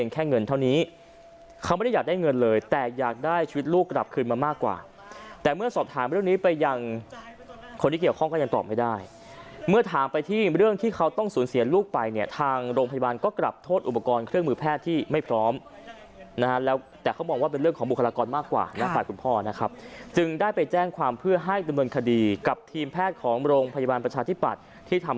คนที่เกี่ยวข้องก็ยังตอบไม่ได้เมื่อถามไปที่เรื่องที่เขาต้องสูญเสียลูกไปเนี้ยทางโรงพยาบาลก็กลับโทษอุปกรณ์เครื่องมือแพทย์ที่ไม่พร้อมนะฮะแล้วแต่เขาบอกว่าเป็นเรื่องของบุคลากรมากกว่านะฝ่ายคุณพ่อนะครับจึงได้ไปแจ้งความเพื่อให้ดำเนินคดีกับทีมแพทย์ของโรงพยาบาลประชาธิบัตรที่ทํ